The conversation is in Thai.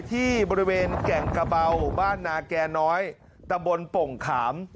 ที่บริเวณแก่งกระเบาบ้านนาแก่น้อยตะบนโป่งขาม